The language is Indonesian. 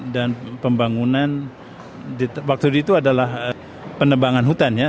dan pembangunan waktu itu adalah penebangan hutan ya